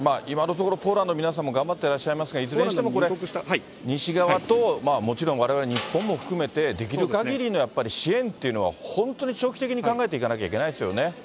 今のところ、ポーランドの皆さんも頑張ってらっしゃいますが、いずれにしてもこれ、西側ともちろんわれわれ日本も含めて、できるかぎりのやっぱり支援というのは、本当に長期的に考えていかなきゃいけないですよね。